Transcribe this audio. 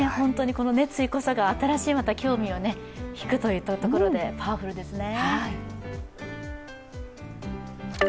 この熱意こそが新しい興味を引くというところでパワフルですね。